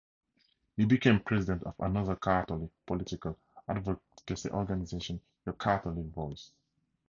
He became president of another Catholic political advocacy organization, Your Catholic Voice.